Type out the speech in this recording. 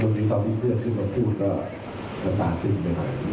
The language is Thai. โดยมีตอนที่เพื่อนขึ้นมาพูดก็ตาซึ้งไปหน่อย